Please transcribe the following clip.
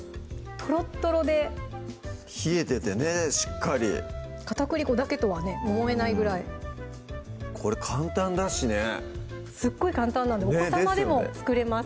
とろとろで冷えててねしっかり片栗粉だけとはね思えないぐらいこれ簡単だしねすっごい簡単なんでお子さまでも作れます